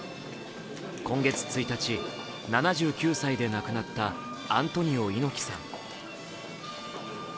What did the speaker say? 今月１日、７９歳で亡くなったアントニオ猪木さん。